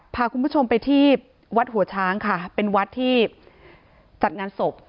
พาคุณผู้ชมไปที่วัดหัวช้างค่ะเป็นวัดที่จัดงานศพ